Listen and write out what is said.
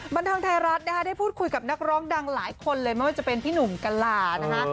บันเทิงไทยรัฐนะคะได้พูดคุยกับนักร้องดังหลายคนเลยไม่ว่าจะเป็นพี่หนุ่มกะลานะคะ